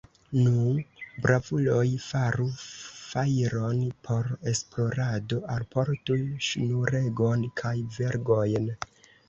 Nu, bravuloj, faru fajron por esplorado, alportu ŝnuregon kaj vergojn!